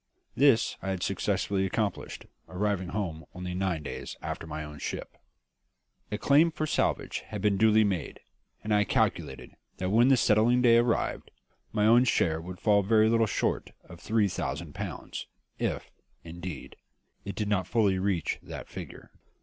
This I had successfully accomplished, arriving home only nine days after my own ship. A claim for salvage had been duly made, and I calculated that when the settling day arrived, my own share would fall very little short of three thousand pounds, if, indeed, it did not fully reach that figure.